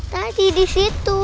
tadi di situ